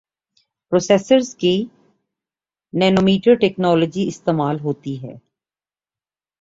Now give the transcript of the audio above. processors کے لئے nanometer technology استعمال ہوتی ہے